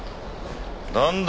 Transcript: なんだ？